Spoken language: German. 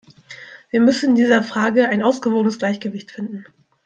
Wir müssen in dieser Frage ein ausgewogenes Gleichgewicht finden.